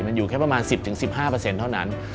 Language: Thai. มันอยู่แค่ประมาณ๑๐๑๕เท่านั้น